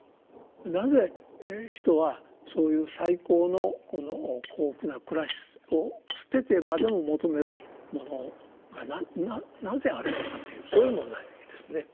なぜ人はそういう最高の幸福な暮らしを捨ててまでも求めるものがなぜあるのかというそういう問題ですね。